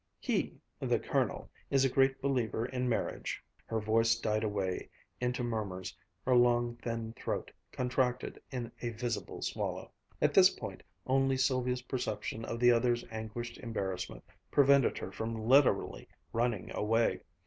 He the Colonel is a great believer in marriage " Her voice died away into murmurs. Her long, thin throat contracted in a visible swallow. At this point only Sylvia's perception of the other's anguished embarrassment prevented her from literally running away.